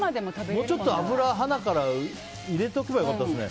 もうちょっと油をはなから入れておけば良かったですね。